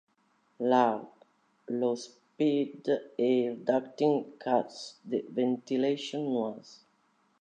Large, low-speed air ducting cuts the ventilation noise.